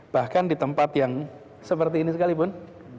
bahkan di tempat yang seperti ini sekalipun